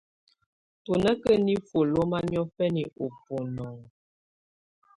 Tù nà kà nifuǝ́ lɔma niɔ̀fɛna ù bunɔnɔ.